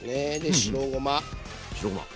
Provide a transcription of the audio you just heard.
白ごま。